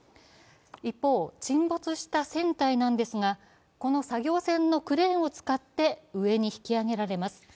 一方、沈没した船体なんですが、この作業船のクレーンを使って上に引き揚げられます。